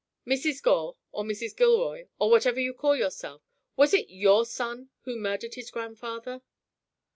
Mrs. Gore, or Mrs. Gilroy, or whatever you call yourself, was it your son who murdered his grandfather?"